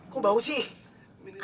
kok bau sih